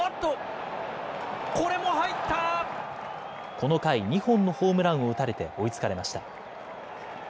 この回、２本のホームランを打たれて追いつかれました。